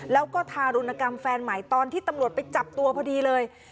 แล้วก็ทารุณกรรมแฟนใหม่ตอนที่ตำรวจไปจับตัวพอดีเลย